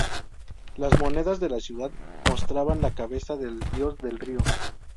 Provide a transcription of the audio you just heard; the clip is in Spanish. Las monedas de la ciudad mostraban la cabeza del dios del río.